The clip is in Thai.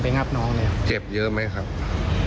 อย่างที่ช่างมิติบอก